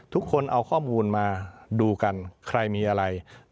ทุกคนเอาข้อมูลมาดูกันใครมีอะไร